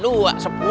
satu lagi terus